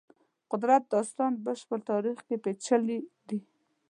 قدرت داستان بشر تاریخ کې پېچلي دی.